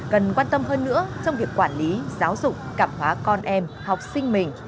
cần quan tâm hơn nữa trong việc quản lý giáo dục cảm hóa con em học sinh mình